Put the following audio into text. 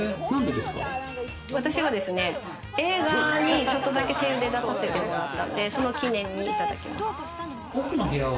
私が映画にちょっとだけ声優で出させてもらって、その記念にいただきました。